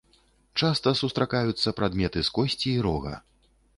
Часта сустракаюцца прадметы з косці і рога.